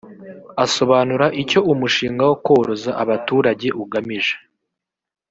Asobanura icyo umushinga wo koroza abaturage ugamije